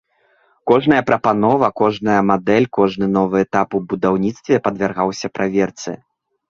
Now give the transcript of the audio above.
Кожная прапанова, кожная мадэль, кожны новы этап у будаўніцтве падвяргаўся праверцы.